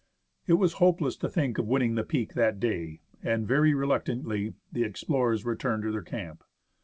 It was hopeless to think of winning the peak that day, and, very reluctantly, the explorers returned to their camp.